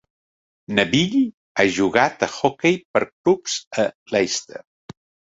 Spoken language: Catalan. Nevill ha jugat a hoquei per clubs a Leicester.